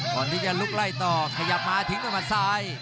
ก่อนที่จะลุกไล่ต่อขยับมาทิ้งด้วยมัดซ้าย